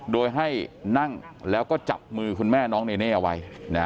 โดยให้นั่งแล้วก็จับมือคุณแม่น้องเนเน่เอาไว้